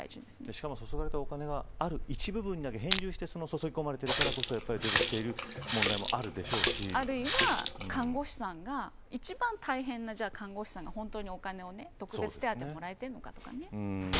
しかも、注ぎ込まれたお金が返上して誘い込まれているからこそ出てきている問題もあるいは看護師さんが一番大変な看護師さんが、本当にお金を特別手当をもらえているのかとかね。